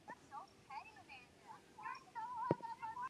His first lessons in art came from his father.